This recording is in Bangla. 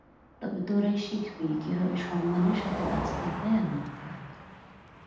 তবেই তোরা শিখবি কীভাবে সম্মানের সাথে বাঁচতে হয় আর মরতে হয়।